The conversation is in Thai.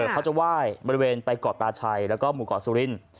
เขาอูยอยู่ก่อตาชัยและมู่กสุรินทร์